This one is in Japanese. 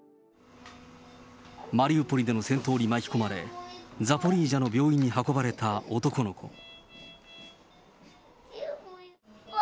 マリウポリでの戦闘に巻き込まれ、ザポリージャの病院に運ばれた男の子。